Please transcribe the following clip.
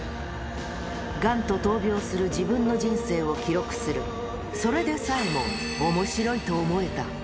がんと闘病する自分の人生を記録する、それでさえもおもしろいと思えた。